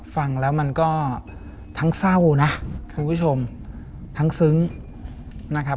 ฟังแล้วมันก็ทั้งเศร้านะคุณผู้ชมทั้งซึ้งนะครับ